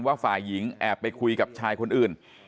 ฝ่ายหญิงแอบไปคุยกับชายคนอื่น